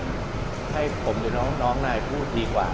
คือคุณแม่เขาก็อยากให้ให้ผมอยู่น้องนายพูดดีกว่า